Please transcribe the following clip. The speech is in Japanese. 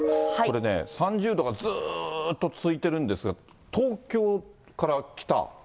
これね、３０度がずーっと続いてるんですが、東京から北。